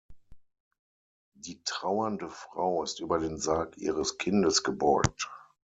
Die trauernde Frau ist über den Sarg ihres Kindes gebeugt.